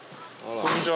こんにちは。